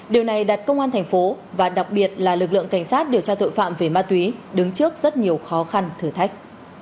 điều này đặt công an thành phố và đặc biệt là lực lượng cảnh sát điều tra tội phạm về ma túy đứng trước rất nhiều khó khăn thử thách